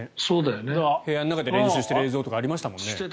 部屋の中で練習している映像とかもありましたよね。